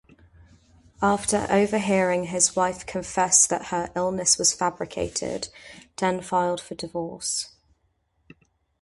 After over-hearing his wife confess that her illness was fabricated, Den filed for divorce.